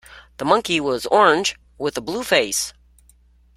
The monkey was orange, with a blue face.